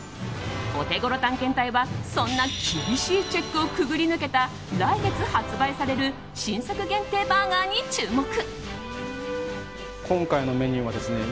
オテゴロ探検隊はそんな厳しいチェックをくぐり抜けた来月発売される新作限定バーガーに注目。